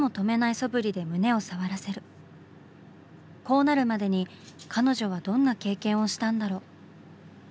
こうなるまでに彼女はどんな経験をしたんだろう？